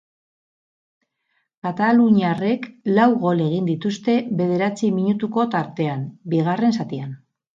Kataluniarrek lau gol egin dituzte bederatzi minutuko tartean, bigarren zatian.